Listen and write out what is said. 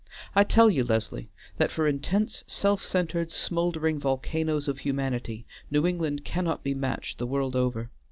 I tell you, Leslie, that for intense, self centred, smouldering volcanoes of humanity, New England cannot be matched the world over.